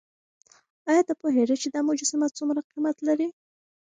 ایا ته پوهېږې چې دا مجسمه څومره قیمت لري؟